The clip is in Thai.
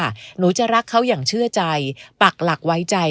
หนูจะรักเขาอย่างเชื่อใจปักหลักไว้ใจ